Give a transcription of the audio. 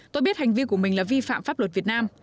tôi biết hành vi của mình là vi phạm pháp luật việt nam